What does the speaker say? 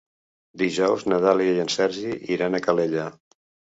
Dijous na Dàlia i en Sergi iran a Calella.